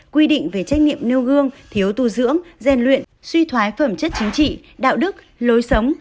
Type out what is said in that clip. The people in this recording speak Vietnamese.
quy định về trách nhiệm nêu gương thiếu tu dưỡng rèn luyện suy thoái phẩm chất chính trị đạo đức lối sống